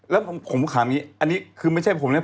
แล้วผมถามอันนี้คือไม่ใช่ผมเนี้ย